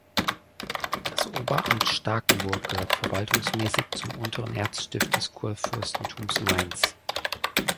Das „Oberamt Starkenburg“ gehörte verwaltungsmäßig zum „Unteren Erzstift“ des Kurfürstentums Mainz.